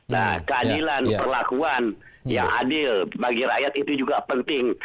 nah keadilan perlakuan yang adil bagi rakyat itu juga penting